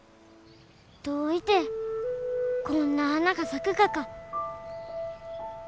どういてこんな花が咲くがか。